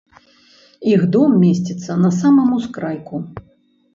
Іх дом месціцца на самым ускрайку.